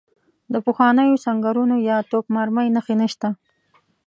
د پخوانیو سنګرونو یا توپ مرمۍ نښې نشته.